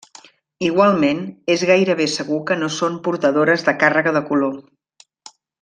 Igualment és gairebé segur que no són portadores de càrrega de color.